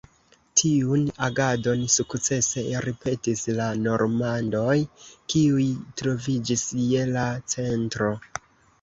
Tiun agadon sukcese ripetis la normandoj, kiuj troviĝis je la centro.